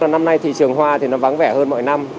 năm nay thị trường hoa thì nó vắng vẻ hơn mọi năm